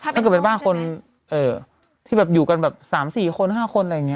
ถ้าเกิดเป็นบ้านคนที่อยู่กันแบบ๓๔คน๕คนอะไรอย่างนี้